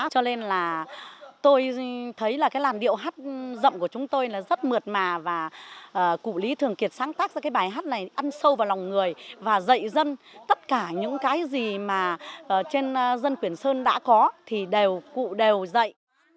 cho nên là tôi thấy là cái làn điệu hát giậm của chúng tôi là rất mượt mà cụ lý thường kiệt sáng tác ra cái bài hát này ăn sâu vào lòng người và dạy dân tất cả những cái gì mà trên dân quyền sơn đã có thì đều cụ đều dạy